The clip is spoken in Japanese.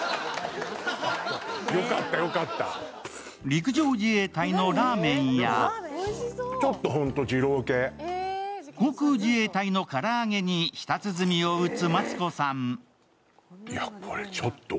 陸上自衛隊のラーメンや航空自衛隊のから揚げに舌鼓を打つマツコさん。